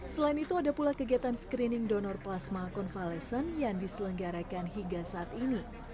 selain itu ada pula kegiatan screening donor plasma konvalesen yang diselenggarakan hingga saat ini